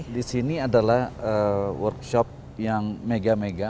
jadi di sini adalah workshop yang mega mega